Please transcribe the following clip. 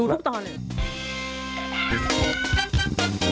ทุกตอนเลย